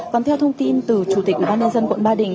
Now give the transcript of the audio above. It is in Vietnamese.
còn theo thông tin từ chủ tịch ubnd quận ba đình